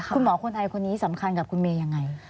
คุณหมอคนไทยคนนี้สำคัญกับคุณเมฆยังไง